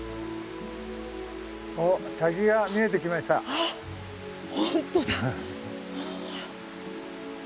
あっ本当だ。